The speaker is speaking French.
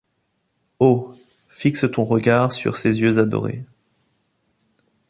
Oh ! fixe ton regard sur ses yeux adorés !